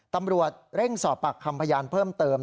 ตำรวจเร่งสอบปากคำพยานเพิ่มเติม